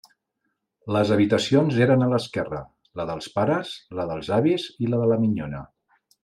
Les habitacions eren a l'esquerra: la dels pares, la dels avis i la de la minyona.